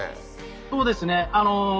そうですね。